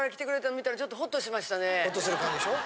ホッとする感じでしょ？